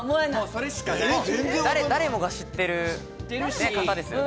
誰もが知ってる方ですよね。